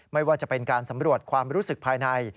ไม่ว่าจะเป็นการสำรวจความรู้สึกภายใน